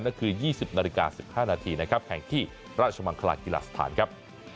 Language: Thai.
นั่นคือ๒๐นาฬิกา๑๕นาทีนะครับแข่งที่ราชมังคลากีฬาสถานครับ